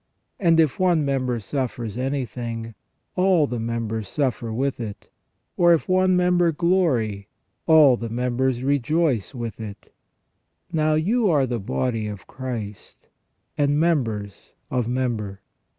And if one member suffers anything, all 36o THE REGENERATION OF MAN. the members suffer with it ; or, if one member glory, all the mem bers rejoice with it. Now you are the body of Christ, and members of member."